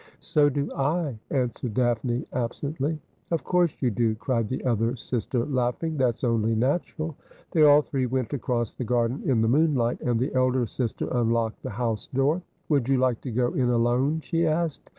' So do I,' answered Daphne absently. ' Of course you do !' cried the other sister, laughing. ' That's only natural.' They all three went across the garden in the moonlight, and the elder sister unlocked the house door. ' Would you like to go in alone ?' she asked.